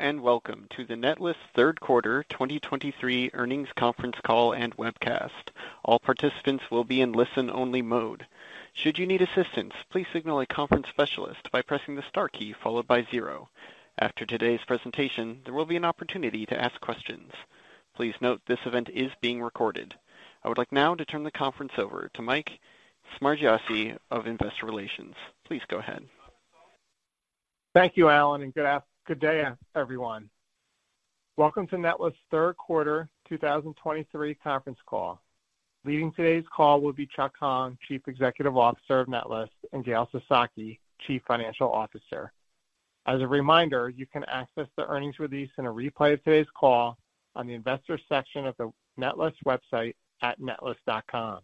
Welcome to the Netlist third quarter 2023 earnings conference call and webcast. All participants will be in listen-only mode. Should you need assistance, please signal a conference specialist by pressing the star key followed by zero. After today's presentation, there will be an opportunity to ask questions. Please note this event is being recorded. I would like now to turn the conference over to Mike Smargiassi of Investor Relations. Please go ahead. Thank you, Alan, and good day, everyone. Welcome to Netlist's third quarter 2023 conference call. Leading today's call will be Chuck Hong, Chief Executive Officer of Netlist, and Gail Sasaki, Chief Financial Officer. As a reminder, you can access the earnings release and a replay of today's call on the Investors section of the Netlist website at netlist.com.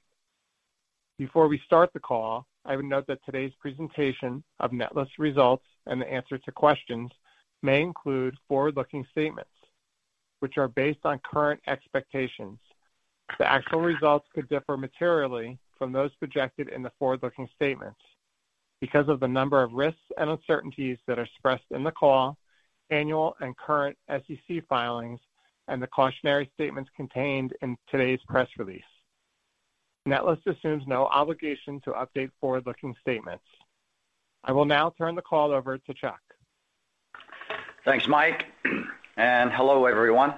Before we start the call, I would note that today's presentation of Netlist results and the answer to questions may include forward-looking statements, which are based on current expectations. The actual results could differ materially from those projected in the forward-looking statements because of the number of risks and uncertainties that are expressed in the call, annual and current SEC filings, and the cautionary statements contained in today's press release. Netlist assumes no obligation to update forward-looking statements. I will now turn the call over to Chuck. Thanks, Mike, and hello, everyone.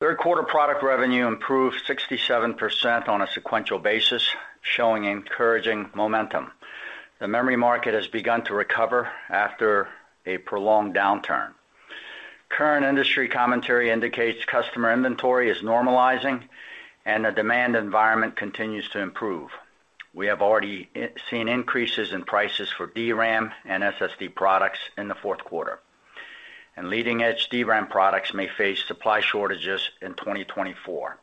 Third quarter product revenue improved 67% on a sequential basis, showing encouraging momentum. The memory market has begun to recover after a prolonged downturn. Current industry commentary indicates customer inventory is normalizing and the demand environment continues to improve. We have already seen increases in prices for DRAM and SSD products in the fourth quarter, and leading-edge DRAM products may face supply shortages in 2024.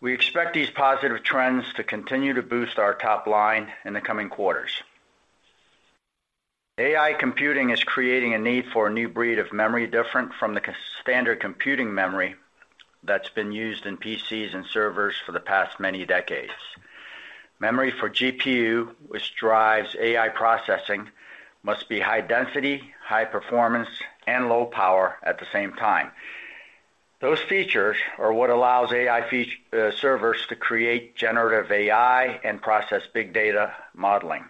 We expect these positive trends to continue to boost our top line in the coming quarters. AI computing is creating a need for a new breed of memory, different from the standard computing memory that's been used in PCs and servers for the past many decades. Memory for GPU, which drives AI processing, must be high density, high performance, and low power at the same time. Those features are what allows AI future servers to create generative AI and process big data modeling.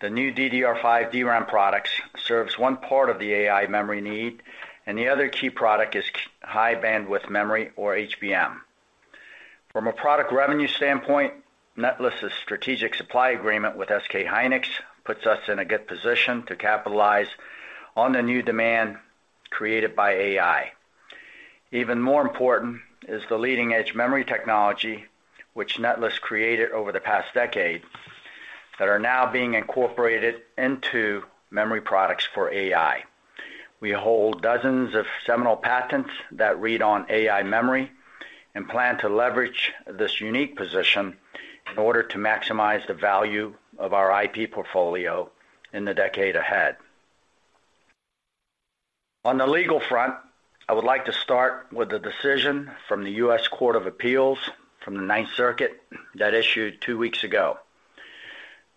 The new DDR5 DRAM products serves one part of the AI memory need, and the other key product is high bandwidth memory, or HBM. From a product revenue standpoint, Netlist's strategic supply agreement with SK Hynix puts us in a good position to capitalize on the new demand created by AI. Even more important is the leading-edge memory technology, which Netlist created over the past decade, that are now being incorporated into memory products for AI. We hold dozens of seminal patents that read on AI memory and plan to leverage this unique position in order to maximize the value of our IP portfolio in the decade ahead. On the legal front, I would like to start with the decision from the U.S. Court of Appeals for the Ninth Circuit that issued two weeks ago.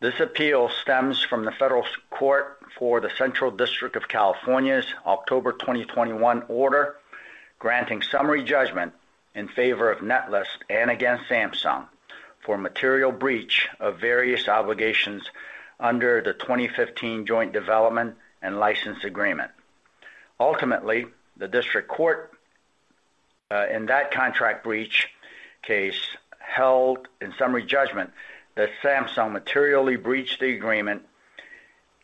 This appeal stems from the Federal Court for the Central District of California's October 2021 order, granting summary judgment in favor of Netlist and against Samsung for material breach of various obligations under the 2015 Joint Development and License Agreement. Ultimately, the District Court in that contract breach case held in summary judgment that Samsung materially breached the agreement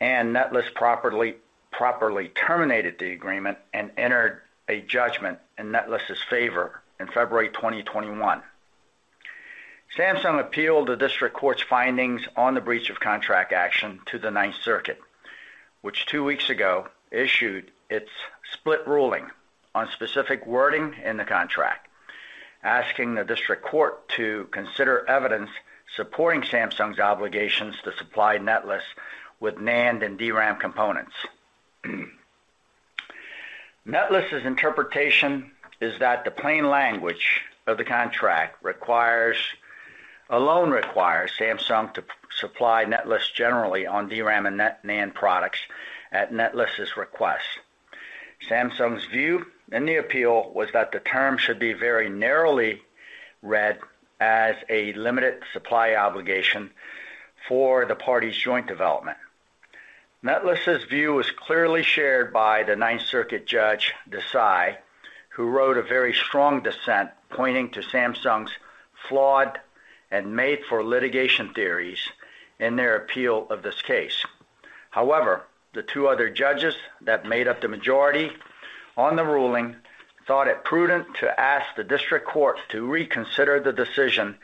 and Netlist properly terminated the agreement and entered a judgment in Netlist's favor in February 2021. Samsung appealed the District Court's findings on the breach of contract action to the Ninth Circuit, which two weeks ago issued its split ruling on specific wording in the contract, asking the District Court to consider evidence supporting Samsung's obligations to supply Netlist with NAND and DRAM components. Netlist's interpretation is that the plain language of the contract requires... alone requires Samsung to supply Netlist generally on DRAM and NAND products at Netlist's request. Samsung's view in the appeal was that the term should be very narrowly read as a limited supply obligation for the parties' joint development. Netlist's view was clearly shared by the Ninth Circuit Judge Desai, who wrote a very strong dissent, pointing to Samsung's flawed and made-for-litigation theories in their appeal of this case. However, the two other judges that made up the majority on the ruling thought it prudent to ask the District Court to reconsider the decision,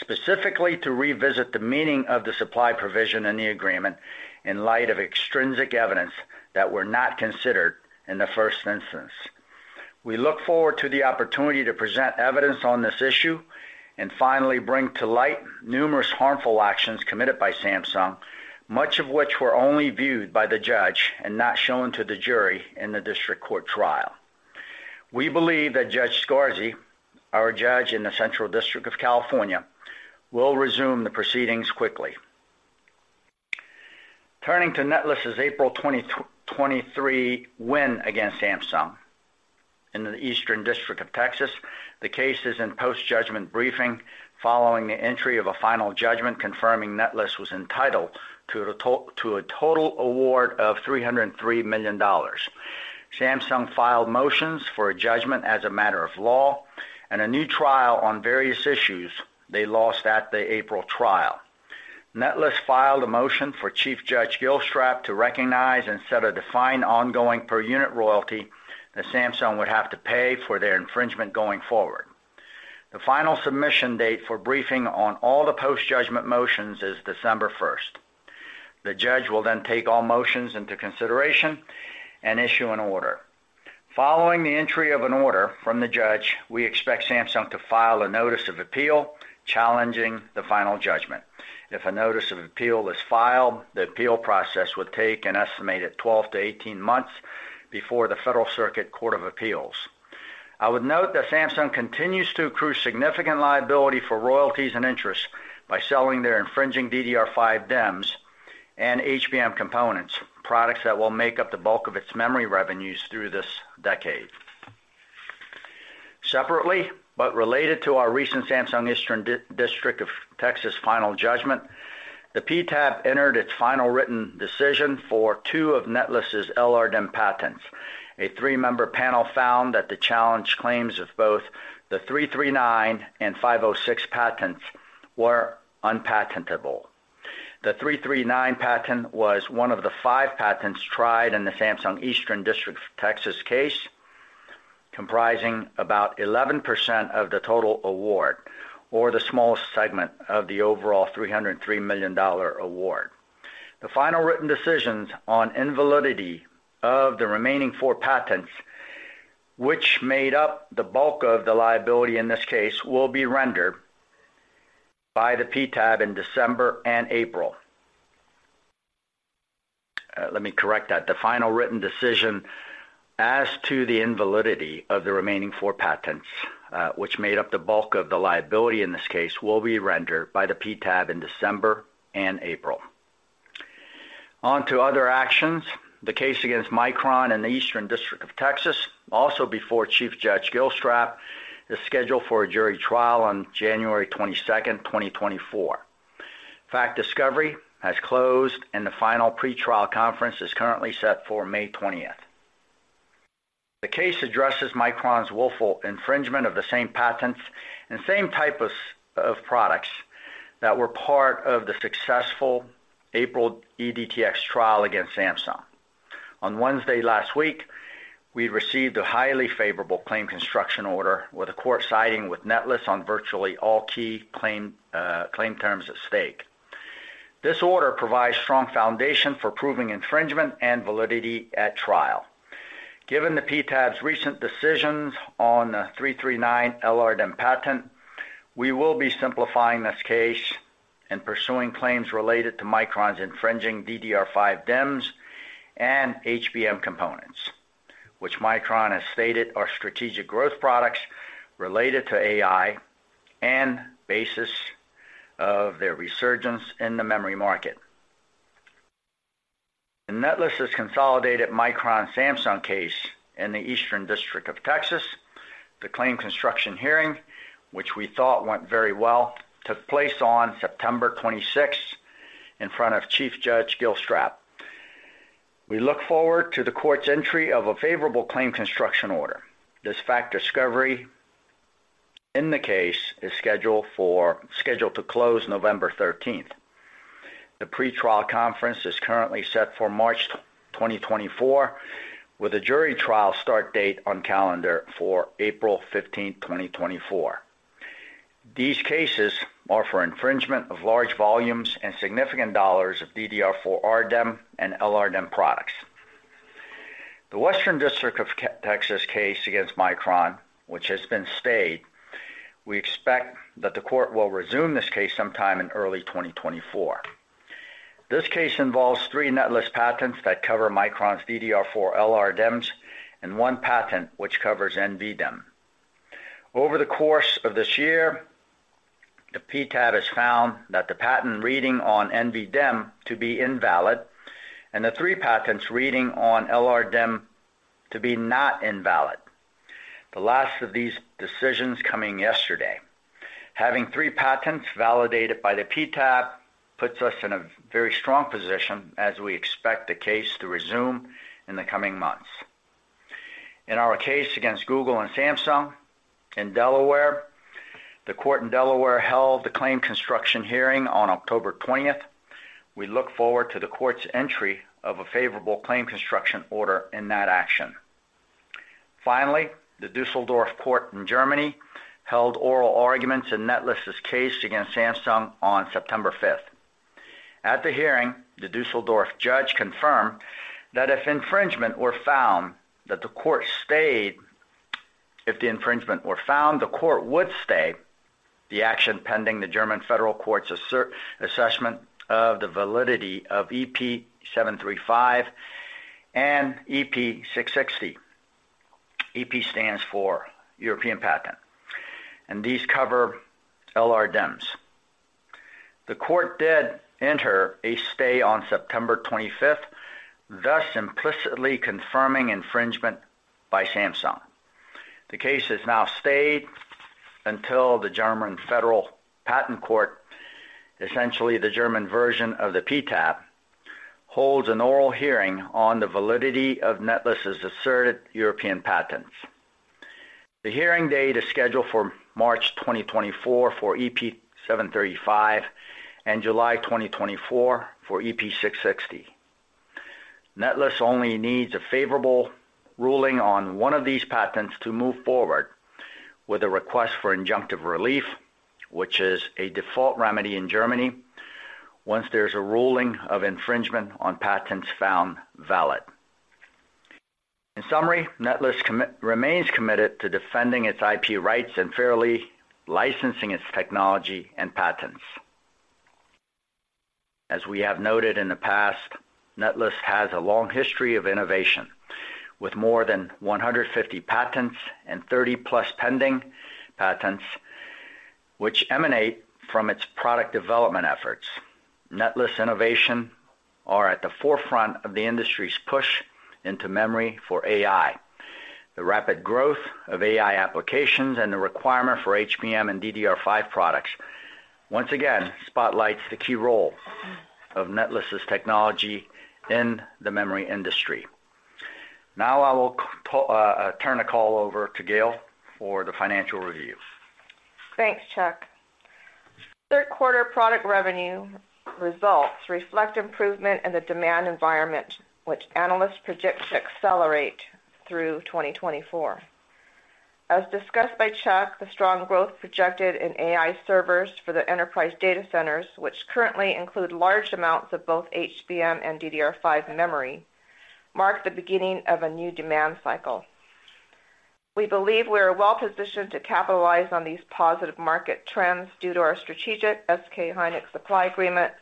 specifically to revisit the meaning of the supply provision in the agreement, in light of extrinsic evidence that were not considered in the first instance. We look forward to the opportunity to present evidence on this issue and finally bring to light numerous harmful actions committed by Samsung, much of which were only viewed by the judge and not shown to the jury in the District Court trial. We believe that Judge Scarsi, our judge in the Central District of California, will resume the proceedings quickly. Turning to Netlist's April 2023 win against Samsung in the Eastern District of Texas, the case is in post-judgment briefing following the entry of a final judgment, confirming Netlist was entitled to a total award of $303 million. Samsung filed motions for a judgment as a matter of law and a new trial on various issues they lost at the April trial. Netlist filed a motion for Chief Judge Gilstrap to recognize and set a defined ongoing per unit royalty that Samsung would have to pay for their infringement going forward. The final submission date for briefing on all the post-judgment motions is December 1st. The judge will then take all motions into consideration and issue an order. Following the entry of an order from the judge, we expect Samsung to file a notice of appeal, challenging the final judgment. If a notice of appeal is filed, the appeal process would take an estimated 12-18 months before the Federal Circuit Court of Appeals. I would note that Samsung continues to accrue significant liability for royalties and interests by selling their infringing DDR5 DIMMs and HBM components, products that will make up the bulk of its memory revenues through this decade. Separately, but related to our recent Samsung Eastern District of Texas final judgment, the PTAB entered its final written decision for two of Netlist's LRDIMM patents. A three-member panel found that the challenge claims of both the 339 and 506 patents were unpatentable. The 339 patent was one of the five patents tried in the Samsung Eastern District of Texas case, comprising about 11% of the total award, or the smallest segment of the overall $303 million award. The final written decisions on invalidity of the remaining four patents, which made up the bulk of the liability in this case, will be rendered by the PTAB in December and April. Let me correct that. The final written decision as to the invalidity of the remaining four patents, which made up the bulk of the liability in this case, will be rendered by the PTAB in December and April. On to other actions, the case against Micron in the Eastern District of Texas, also before Chief Judge Gilstrap, is scheduled for a jury trial on January 22nd, 2024. Fact discovery has closed, and the final pretrial conference is currently set for May 20th. The case addresses Micron's willful infringement of the same patents and same type of products that were part of the successful April EDTX trial against Samsung. On Wednesday last week, we received a highly favorable claim construction order, with the court siding with Netlist on virtually all key claim terms at stake. This order provides strong foundation for proving infringement and validity at trial. Given the PTAB's recent decisions on the 339 LRDIMM patent, we will be simplifying this case and pursuing claims related to Micron's infringing DDR5 DIMMs and HBM components, which Micron has stated are strategic growth products related to AI and basis of their resurgence in the memory market. In Netlist's consolidated Micron-Samsung case in the Eastern District of Texas, the claim construction hearing, which we thought went very well, took place on September 26th in front of Chief Judge Gilstrap. We look forward to the court's entry of a favorable claim construction order. This fact discovery in the case is scheduled to close November 13th. The pretrial conference is currently set for March 2024, with a jury trial start date on calendar for April 15th, 2024. These cases are for infringement of large volumes and significant dollars of DDR4 RDIMM and LRDIMM products. The Western District of Texas case against Micron, which has been stayed, we expect that the court will resume this case sometime in early 2024. This case involves three Netlist patents that cover Micron's DDR4 LRDIMMs and one patent, which covers NVDIMM. Over the course of this year, the PTAB has found that the patent reading on NVDIMM to be invalid and the three patents reading on LRDIMM to be not invalid. The last of these decisions coming yesterday. Having three patents validated by the PTAB puts us in a very strong position as we expect the case to resume in the coming months. In our case against Google and Samsung in Delaware, the court in Delaware held the claim construction hearing on October twentieth. We look forward to the court's entry of a favorable claim construction order in that action. Finally, the Düsseldorf Court in Germany held oral arguments in Netlist's case against Samsung on September 15th. At the hearing, the Düsseldorf judge confirmed that if infringement were found, the court would stay... The action pending the German Federal Court's assessment of the validity of EP 735 and EP 660. EP stands for European Patent, and these cover LRDIMMs. The court did enter a stay on September 25th, thus implicitly confirming infringement by Samsung. The case is now stayed until the German Federal Patent Court, essentially the German version of the PTAB, holds an oral hearing on the validity of Netlist's asserted European patents. The hearing date is scheduled for March 2024 for EP 735 and July 2024 for EP 660. Netlist only needs a favorable ruling on one of these patents to move forward with a request for injunctive relief, which is a default remedy in Germany once there's a ruling of infringement on patents found valid. In summary, Netlist remains committed to defending its IP rights and fairly licensing its technology and patents. As we have noted in the past, Netlist has a long history of innovation, with more than 150 patents and 30+ pending patents, which emanate from its product development efforts. Netlist innovation are at the forefront of the industry's push into memory for AI. The rapid growth of AI applications and the requirement for HBM and DDR5 products once again spotlights the key role of Netlist's technology in the memory industry. Now I will turn the call over to Gail for the financial review. Thanks, Chuck. Third quarter product revenue results reflect improvement in the demand environment, which analysts project should accelerate through 2024. As discussed by Chuck, the strong growth projected in AI servers for the enterprise data centers, which currently include large amounts of both HBM and DDR5 memory, mark the beginning of a new demand cycle. We believe we are well positioned to capitalize on these positive market trends due to our strategic SK Hynix supply agreement,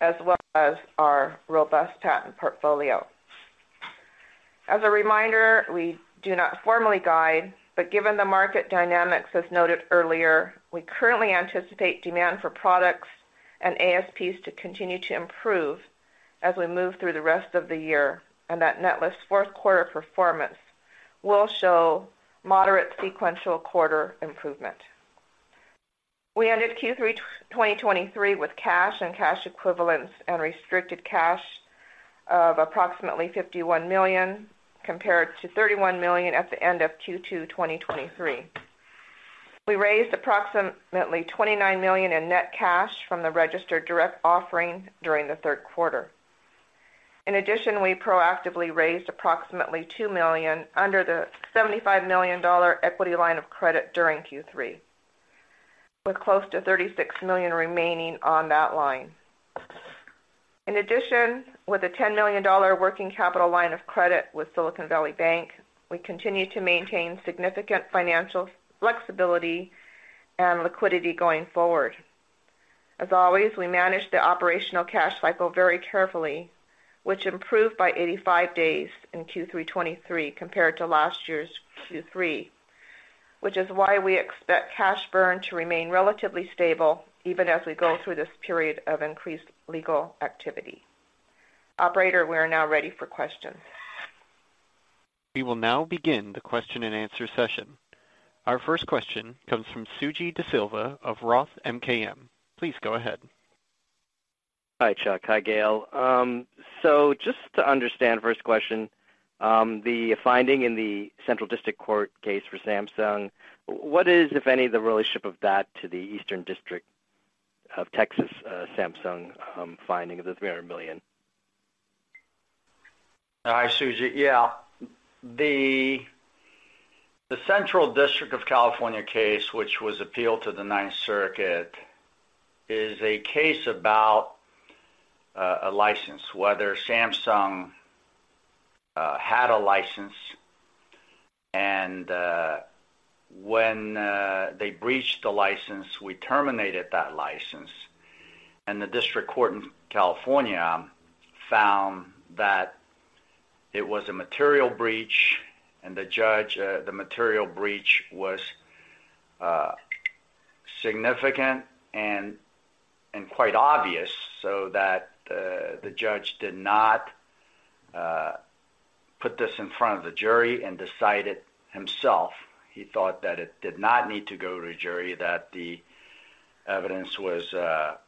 as well as our robust patent portfolio. As a reminder, we do not formally guide, but given the market dynamics, as noted earlier, we currently anticipate demand for products and ASPs to continue to improve as we move through the rest of the year, and that Netlist's fourth quarter performance will show moderate sequential quarter improvement. We ended Q3 2023 with cash and cash equivalents and restricted cash of approximately $51 million, compared to $31 million at the end of Q2 2023. We raised approximately $29 million in net cash from the registered direct offering during the third quarter. In addition, we proactively raised approximately $2 million under the $75 million equity line of credit during Q3, with close to $36 million remaining on that line. In addition, with a $10 million working capital line of credit with Silicon Valley Bank, we continue to maintain significant financial flexibility and liquidity going forward. As always, we manage the operational cash cycle very carefully, which improved by 85 days in Q3 2023 compared to last year's Q3, which is why we expect cash burn to remain relatively stable even as we go through this period of increased legal activity. Operator, we are now ready for questions. We will now begin the question-and-answer session. Our first question comes from Suji DeSilva of Roth MKM. Please go ahead. Hi, Chuck. Hi, Gail. So just to understand, first question, the finding in the Central District Court case for Samsung, what is, if any, the relationship of that to the Eastern District of Texas, Samsung, finding of the $300 million? Hi, Suji. Yeah, the Central District of California case, which was appealed to the Ninth Circuit, is a case about a license, whether Samsung had a license. And when they breached the license, we terminated that license, and the district court in California found that it was a material breach, and the judge, the material breach was significant and quite obvious, so that the judge did not put this in front of the jury and decided himself. He thought that it did not need to go to a jury, that the evidence was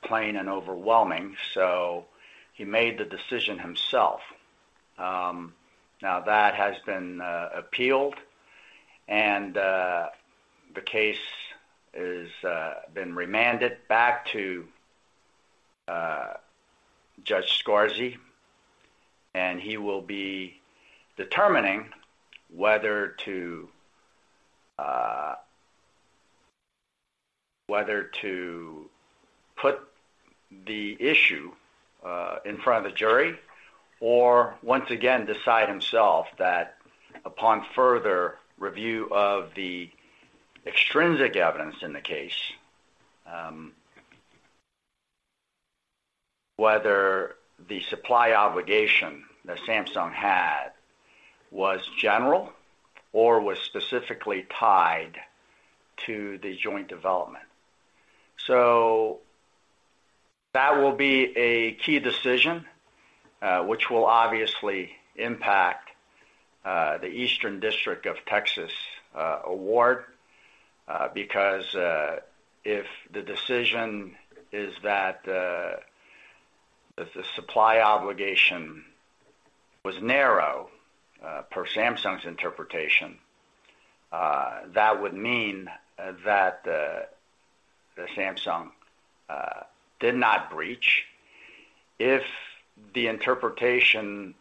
plain and overwhelming, so he made the decision himself. Now, that has been appealed, and the case is been remanded back to Judge Scarsi, and he will be determining whether to. Whether to put the issue in front of the jury, or once again, decide himself that upon further review of the extrinsic evidence in the case, whether the supply obligation that Samsung had was general or was specifically tied to the joint development. So that will be a key decision, which will obviously impact the Eastern District of Texas award, because if the decision is that the supply obligation was narrow per Samsung's interpretation, that would mean that Samsung did not breach. If the interpretation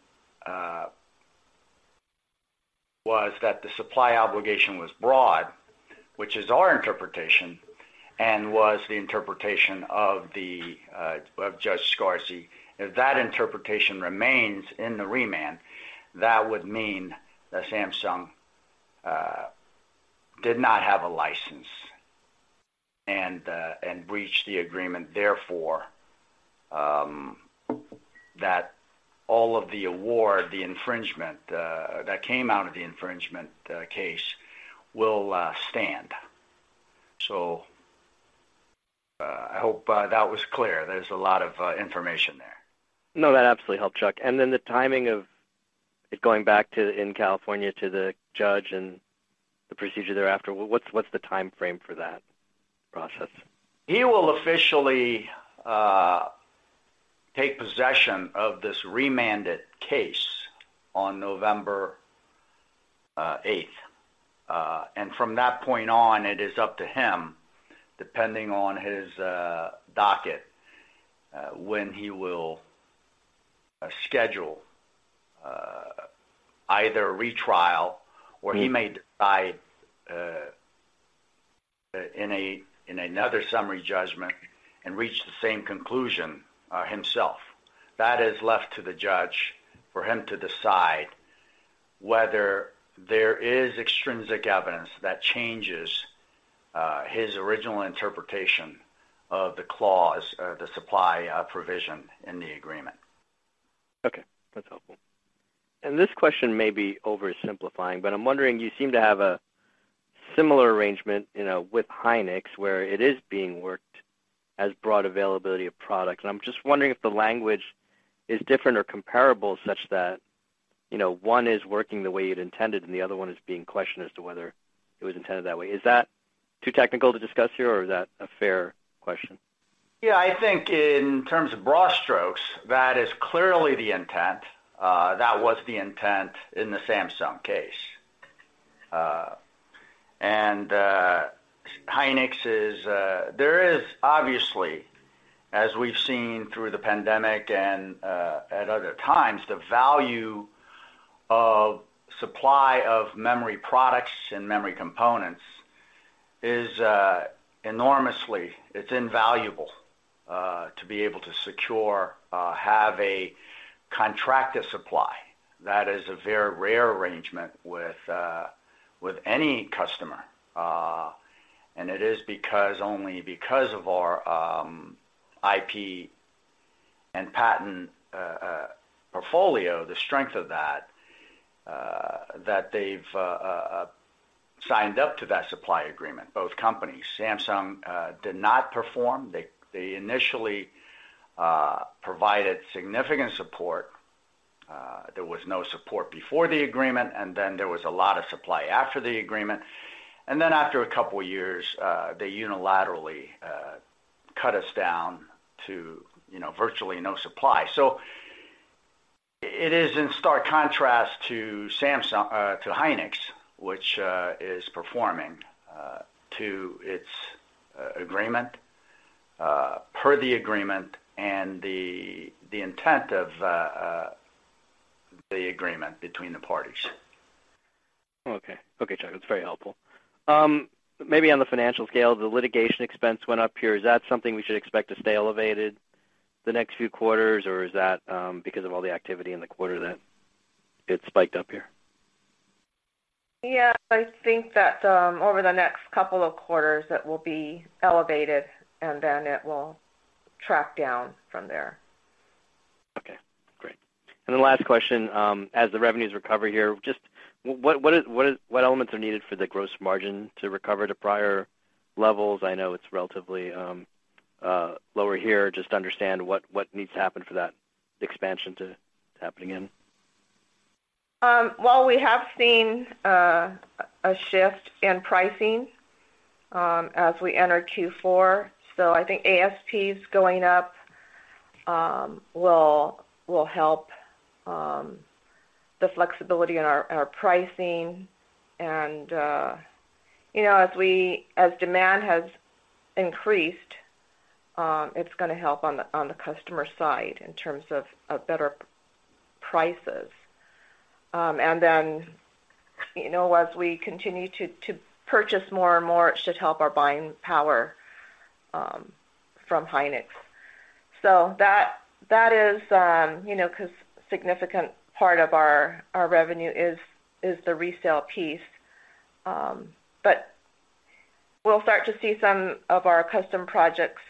was that the supply obligation was broad, which is our interpretation, and was the interpretation of Judge Scarsi, if that interpretation remains in the remand, that would mean that Samsung did not have a license and breached the agreement, therefore, that all of the award, the infringement that came out of the infringement case, will stand. So, I hope that was clear. There's a lot of information there. No, that absolutely helped, Chuck. And then the timing of it going back to—in California, to the judge and the procedure thereafter, what's the timeframe for that process? He will officially take possession of this remanded case on November 8th. From that point on, it is up to him, depending on his docket, when he will schedule either a retrial or he may decide in another summary judgment and reach the same conclusion himself. That is left to the judge, for him to decide whether there is extrinsic evidence that changes his original interpretation of the clause, the supply provision in the agreement. Okay, that's helpful. This question may be oversimplifying, but I'm wondering, you seem to have a similar arrangement, you know, with Hynix, where it is being worked as broad availability of products. I'm just wondering if the language is different or comparable, such that, you know, one is working the way it intended and the other one is being questioned as to whether it was intended that way. Is that too technical to discuss here, or is that a fair question? Yeah, I think in terms of broad strokes, that is clearly the intent. That was the intent in the Samsung case. And Hynix is... There is obviously, as we've seen through the pandemic and at other times, the value of supply of memory products and memory components is enormously, it's invaluable to be able to secure, have a contracted supply. That is a very rare arrangement with any customer. And it is because, only because of our IP and patent portfolio, the strength of that, that they've signed up to that supply agreement, both companies. Samsung did not perform. They initially provided significant support. There was no support before the agreement, and then there was a lot of supply after the agreement, and then after a couple of years, they unilaterally cut us down to, you know, virtually no supply. So it is in stark contrast to Samsung to Hynix, which is performing to its agreement per the agreement and the intent of the agreement between the parties. Okay. Okay, Chuck, that's very helpful. Maybe on the financial scale, the litigation expense went up here. Is that something we should expect to stay elevated the next few quarters, or is that, because of all the activity in the quarter that it spiked up here? Yeah, I think that, over the next couple of quarters, that will be elevated, and then it will track down from there. Okay, great. And then last question, as the revenues recover here, just what elements are needed for the gross margin to recover to prior levels? I know it's relatively lower here. Just understand what needs to happen for that expansion to happening in. Well, we have seen a shift in pricing as we enter Q4. So I think ASPs going up will help the flexibility in our pricing. And you know, as demand has increased, it's gonna help on the customer side in terms of better prices. And then, you know, as we continue to purchase more and more, it should help our buying power from Hynix. So that is you know, 'cause significant part of our revenue is the resale piece. But we'll start to see some of our custom projects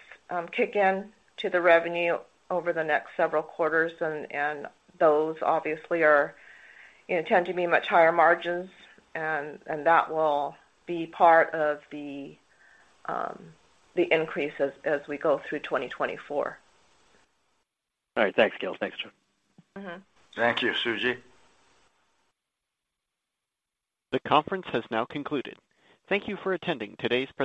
kick in to the revenue over the next several quarters, and those obviously are, you know, tend to be much higher margins, and that will be part of the increase as we go through 2024. All right. Thanks, Gail. Thanks, Chuck. Mm-hmm. Thank you, Suji. The conference has now concluded. Thank you for attending today's presentation.